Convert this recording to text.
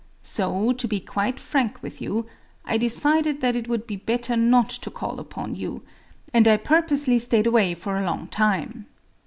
So—to be quite frank with you,—I decided that it would be better not to call upon you; and I purposely stayed away for a long time.